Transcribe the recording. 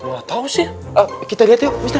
gak tau sih kita liat yuk mister